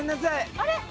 あれ？